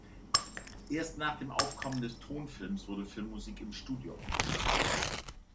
Erst nach dem Aufkommen des Tonfilms wurde Filmmusik im Studio aufgezeichnet.